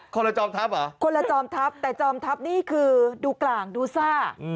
ละจอมทัพเหรอคนละจอมทัพแต่จอมทัพนี่คือดูกลางดูซ่า